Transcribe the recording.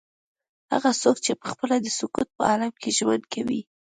هغه څوک چې پخپله د سکوت په عالم کې ژوند کوي.